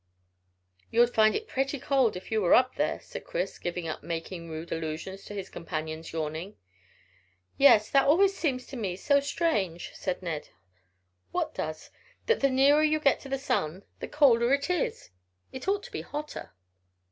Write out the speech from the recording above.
"You'd find it pretty cold if you were up there," said Chris, giving up making rude allusions to his companion's yawning. "Yes; that always seems to me so strange," said Ned. "What does?" "That the nearer you get up to the sun the colder it is. It ought to be hotter."